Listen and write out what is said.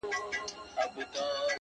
په ځان وهلو باندي ډېر ستړی سو! شعر ليکي!